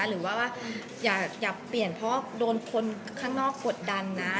หรือว่าอย่าเปลี่ยนเพราะว่าโดนคนข้างนอกกดดันนะ